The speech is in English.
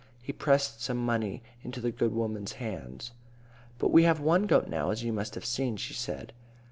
He pressed some money into the good woman's hands. "But we have one goat now, as you must have seen," she said.